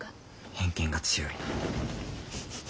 偏見が強いな。